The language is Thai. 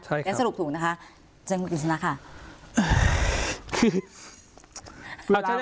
ใช่ครับแล้วสรุปถูกนะคะจังหวิตสุนัขค่ะ